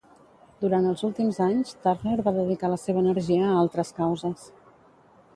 Durant els últims anys, Turner va dedicar la seva energia a altres causes.